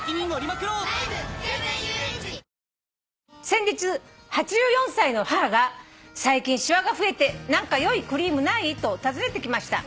「先日８４歳の母が『最近しわが増えて何か良いクリームない？』と尋ねてきました」